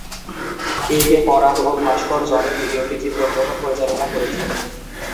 এ K Parag ও ভাস্কর জনি ভিডিওটি চিত্রগ্রহণ পরিচালনা করেছেন।